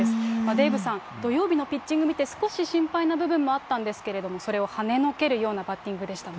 デーブさん、土曜日のピッチング見て、少し心配な部分もあったんですけれども、それをはねのけるようなですね。